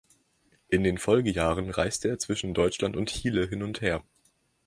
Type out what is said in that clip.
In den Folgejahren reiste er zwischen Deutschland und Chile hin und her.